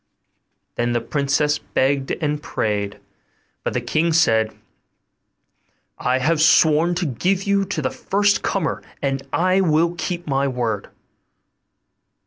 The princess begged and prayed; but the king said, 'I have sworn to give you to the first comer, and I will keep my word.